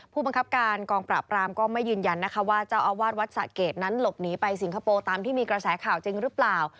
ผู้บังคับการกองปราบรามก็ไม่ยืนยันนะคะว่าเจ้าอาวาสวัดสะเกดนั้นหลบหนีไปสิงคโปร์ตามที่มีกระแสข่าวจริงหรือเปล่า